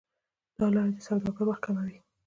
دا لارې د سوداګرۍ وخت کموي.